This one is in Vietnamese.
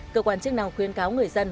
cơ quan chức năng khuyên cáo người dân